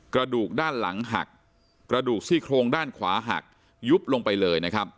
กระดูกด้านหลังหักกระดูกซี่โครงด้านขวาหักยุบลงไปเลยนะครับ